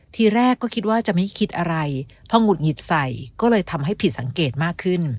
ทีแรกก็คิดว่าจะไม่คิดอะไรพอหงุดหงิดใส่ก็เลยทำให้ผิดสังเกตมากขึ้น